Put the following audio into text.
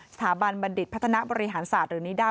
บัณฑิตพัฒนาบริหารศาสตร์หรือนิด้า